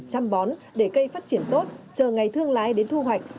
chăm bón để cây phát triển tốt chờ ngày thương lái đến thu hoạch